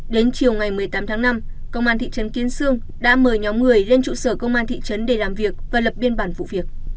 đến chiều ngày một mươi tám tháng năm công an thị trấn kiến sương đã mời nhóm người lên trụ sở công an thị trấn để làm việc và lập biên bản vụ việc